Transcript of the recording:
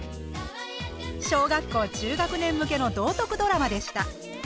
小学校中学年向けの道徳ドラマでした。